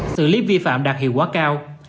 xử lý vi phạm đạt hiệu quả cao